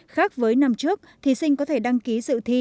khác với năm trước thí sinh có thể đăng ký kênh để nhận thêm thông tin